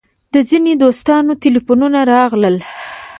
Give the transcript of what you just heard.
د ځینو دوستانو تیلفونونه راغلل.